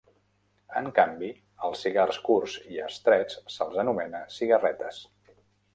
En canvi, els cigars curts i estrets se'ls anomena "cigarretes".